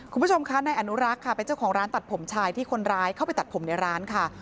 คุณผู้ชมคะนายอนุรักษ์ค่ะเป็นเจ้าของร้านตัดผมชายที่คนร้ายเข้าไปตัดผมในร้านค่ะ